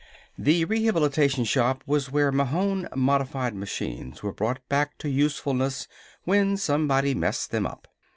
The Rehabilitation Shop was where Mahon modified machines were brought back to usefulness when somebody messed them up.